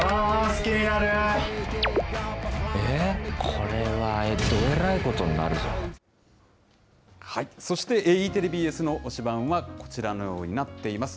これは、どえらいことそして、Ｅテレ、ＢＳの推しバン！はこちらのようになっています。